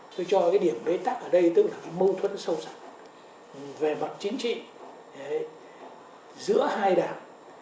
tôi cho cái điểm đối tác ở đây tức là cái mâu thuẫn sâu sắc về mặt chính trị giữa hai đảng